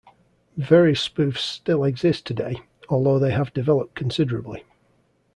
Various spoofs still exist today, although they have developed considerably.